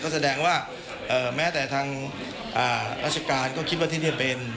แสดงว่าแม้แต่ทางราชการก็คิดว่าที่นี่เป็น